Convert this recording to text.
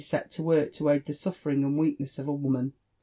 M9 18 set to work to aid the suSeriog and weakness of a woman.